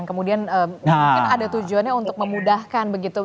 kemudian mungkin ada tujuannya untuk memudahkan begitu